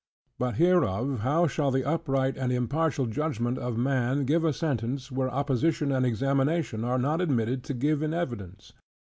But hereof how shall the upright and impartial judgment of man give a sentence, where opposition and examination are not admitted to give in evidence?